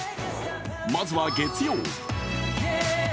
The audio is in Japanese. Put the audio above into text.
まずは月曜。